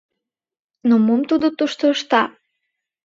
— Но мом тудо тушто ышта?